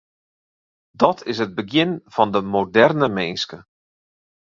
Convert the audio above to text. Dat is it begjin fan de moderne minske.